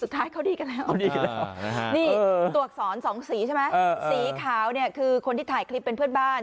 ตัวสอน๒สีใช่มะสีขาวคือคนที่ถ่ายคลิปเป็นเพื่อนบ้าน